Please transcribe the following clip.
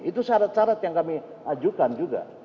itu syarat syarat yang kami ajukan juga